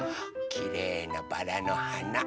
きれいなバラのはな。